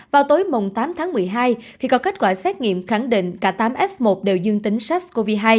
vào tối tám tháng một mươi hai khi có kết quả xét nghiệm khẳng định cả tám f một đều dương tính sars cov hai